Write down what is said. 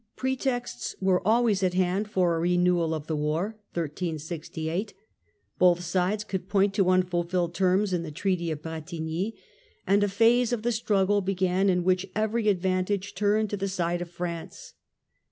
Pretexts were always at hand for a renewal of the Renewal of war ; both sides could point to unfulfilled terms in the wS .Yses Treaty of Bretigny, and a phase of the struggle began in which every advantage turned to the side of France.